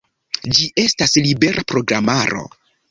Ĝi estas libera programaro.